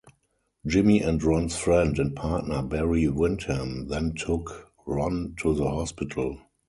Jimmy and Ron's friend and partner Barry Windham then took Ron to the hospital.